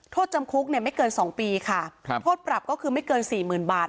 โทษจำคุกเนี่ยไม่เกิน๒ปีค่ะโทษปรับก็คือไม่เกิน๔๐๐๐๐บาท